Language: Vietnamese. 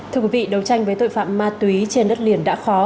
thưa quý vị đấu tranh với tội phạm ma túy trên đất liền đã khó